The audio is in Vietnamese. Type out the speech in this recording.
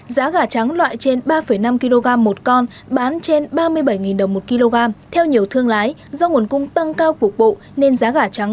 giá gà trắng loại trên ba năm kg một con bán trên ba mươi bảy đồng một kg theo nhiều thương lái do nguồn cung tăng cao cục bộ nên giá gà trắng